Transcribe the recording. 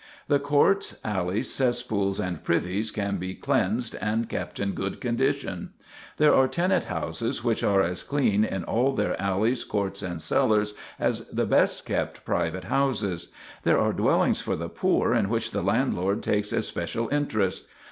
The courts, alleys, cesspools, and privies can be cleansed and kept in good condition. There are tenant houses which are as clean in all their alleys, courts, and cellars as the best kept private houses. These are dwellings for the poor in which the landlord takes especial interest.